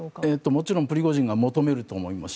もちろんプリゴジンが求めると思います。